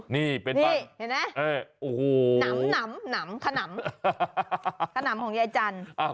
นี่เป็นบ้านน้ำขนำของยายจันทร์